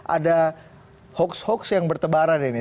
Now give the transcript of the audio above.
ada hoax hoax yang bertebaran ini